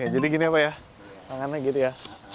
ya jadi gini ya pak ya tangannya gitu ya